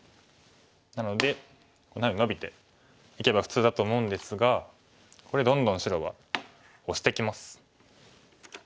なのでこんなふうにノビていけば普通だと思うんですがこれどんどん白はオシてきます。